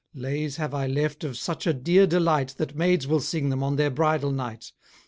Lays have I left of such a dear delight That maids will sing them on their bridal night.